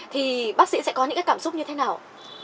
thì bác sĩ sẽ có những cái cảm xúc như thế nào